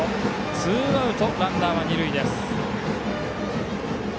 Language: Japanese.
ツーアウト、ランナーは二塁です。